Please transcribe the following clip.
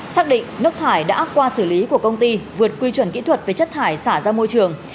xác định nước thải đã qua xử lý của công ty vượt quy chuẩn kỹ thuật về chất thải xả ra môi trường